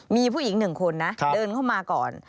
มีผู้หญิง๑คนนะเดินเข้ามาก่อน